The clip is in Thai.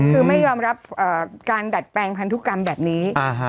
คือไม่ยอมรับการดัดแปลงพันธุกรรมแบบนี้